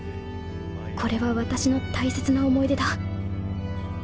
これは私の大切な思い出だ